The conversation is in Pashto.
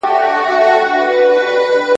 مُلا وویله خدای مي نګهبان دی `